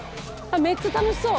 めっちゃ楽しそう！